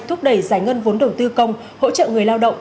thúc đẩy giải ngân vốn đầu tư công hỗ trợ người lao động